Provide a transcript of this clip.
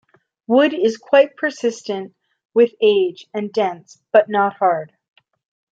Wood is quite persistent with age and dense but not hard.